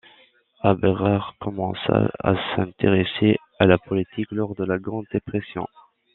Aberhart commença à s'intéresser à la politique lors de la Grande Dépression.